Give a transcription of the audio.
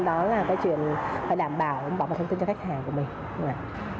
đó là cái chuyện phải đảm bảo bỏ vào thông tin cho khách hàng của mình